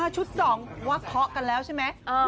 ชุด๒ว่าเคาะกันแล้วใช่ไหม